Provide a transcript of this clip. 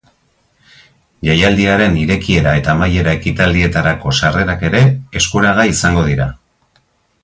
Jaialdiaren irekiera eta amaiera ekitaldietarako sarrerak ere eskuragai izango dira.